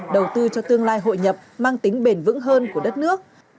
đầu tư cho tương lai hội nhập mang tính bền vững hơn của đất nước